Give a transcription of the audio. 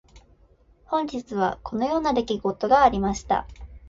本日はこのような出来事がありました。